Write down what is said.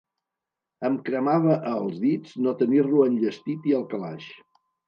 Em cremava als dits no tenir-lo enllestit i al calaix.